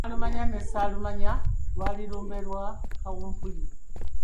Nalumanya ne Ssaalumanya lwali lumbe lwa Kawumpuli.